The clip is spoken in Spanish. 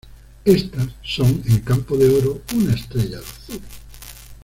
Estas son: en campo de oro, una estrella de azur.